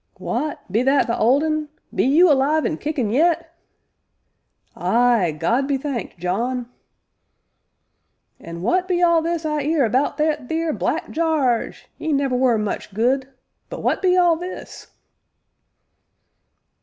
"W'at be that the Old Un be you alive an' kickin' yet?" "Ay, God be thanked, John!" "And w'at be all this I 'ear about that theer Black Jarge 'e never were much good but w'at be all this?"